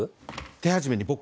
手始めに僕が。